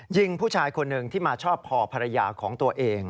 ยิงผู้ชายคนหนึ่งที่มาชอบพอภรรยาของตัวเอง